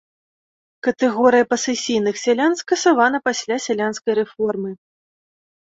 Катэгорыя пасэсійных сялян скасавана пасля сялянскай рэформы.